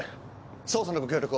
捜査のご協力を。